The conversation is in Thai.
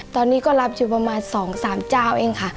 ตอนนี้ก็รับอยู่ประมาณ๒๓เจ้าเองค่ะ